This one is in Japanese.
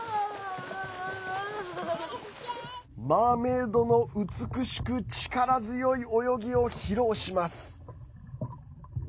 マーメードの美しく力強い泳ぎを披露します。